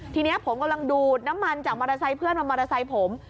ทีนี้ผมกำลังดูดน้ำมันจากมอเตอร์ไซค์เพื่อนมามอเตอร์ไซค์ผม